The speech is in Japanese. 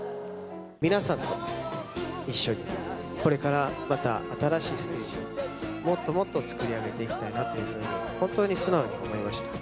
皆さんと一緒に、これからまた、新しいステージを、もっともっと作り上げていきたいなというふうに、本当に素直に思いました。